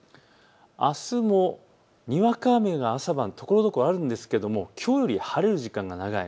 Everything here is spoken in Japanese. あすもにわか雨が朝晩ところどころあるんですけどもきょうより晴れる時間が長い。